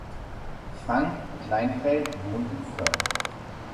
Frank Kleinfeld wohnt in Fürth.